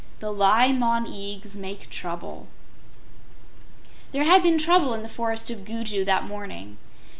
The Li Mon Eags Make Trouble There had been trouble in the Forest of Gugu that morning.